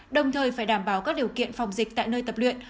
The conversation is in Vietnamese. đồng thời phải đảm bảo các điều kiện phòng dịch tại nơi tập luyện